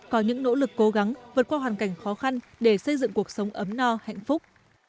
có những nỗ lực cố gắng vượt qua hoàn cảnh khó khăn để xây dựng cuộc sống ấm no hạnh phúc